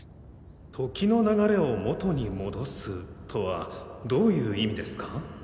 「時の流れを元に戻す」とはどういう意味ですか？